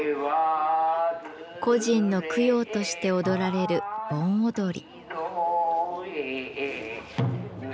故人の供養として踊られる盆踊り。